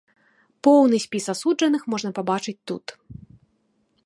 Поўны спіс асуджаных можна пабачыць тут.